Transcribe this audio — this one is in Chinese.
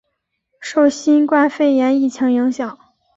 受新冠肺炎疫情影响